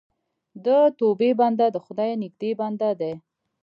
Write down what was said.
د توبې بنده د خدای نږدې بنده دی.